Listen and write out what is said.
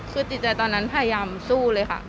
คือจิตใจตอนนั้นพยายามสู้เลยค่ะ